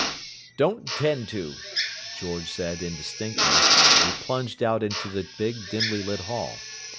"Don't 'tend to," George said indistinctly; and he plunged out into the big dimly lit hall.